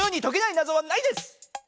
なぞはないです！